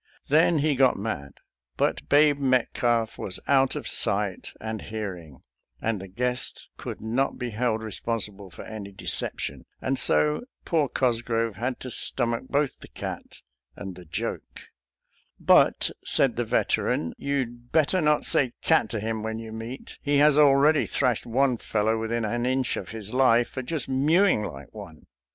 Then he got mad, but Babe Metcalf was out of sight and hearing, and the guest could not be held re sponsible for any deception, and so poor Cos grove had to stomach both the cat and the joke, " But," said the Veteran, " you'd better not 276 SOLDIER'S LETTERS TO CHARMING NELLIE say ' cat' to him when you meet; he has already thra, shed one fellow within an inch of his life for just mewing like one."